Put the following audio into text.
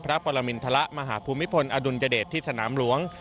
ปรมินทรมาหาภูมิพลอดุลยเดชที่สนามหลวง